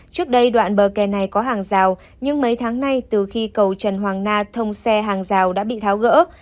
trước đây đoạn bờ kè này có hàng rào nhưng mấy tháng nay từ khi cầu trần hoàng na thông xe hàng rào đã bị tháo gỡ